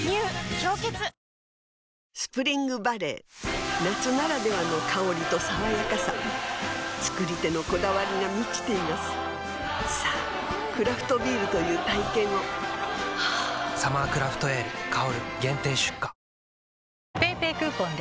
「氷結」スプリングバレー夏ならではの香りと爽やかさ造り手のこだわりが満ちていますさぁクラフトビールという体験を「サマークラフトエール香」限定出荷ＰａｙＰａｙクーポンで！